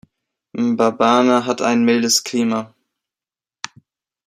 Mbabane hat ein mildes Klima.